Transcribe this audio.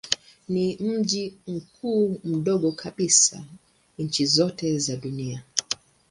Ni mji mkuu mdogo kabisa wa nchi zote za dunia.